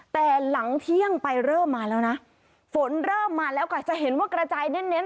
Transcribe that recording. แต่หลังเที่ยงไปเริ่มมาแล้วนะฝนเริ่มมาแล้วค่ะจะเห็นว่ากระจายเน้นเน้น